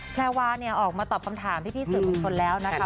แพรวาเนี่ยออกมาตอบคำถามพี่สื่อมวลชนแล้วนะคะ